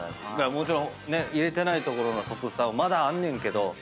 もちろん入れてない所のトップスターもまだあんねんけど。